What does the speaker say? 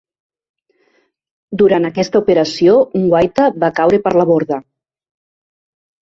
Durant aquesta operació, un guaita va caure per la borda.